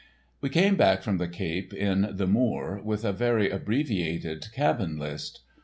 We came back from the Cape in The Moor, with a very abbreviated cabin list.